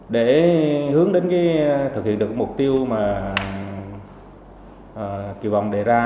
để hướng đến thực hiện được mục tiêu mà kiều bồng đề ra